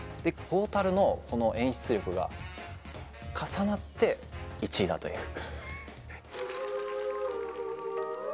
トータルの演出力が重なって１位だという。